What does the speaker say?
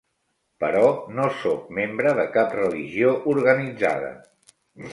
Però no sóc membre de cap religió organitzada.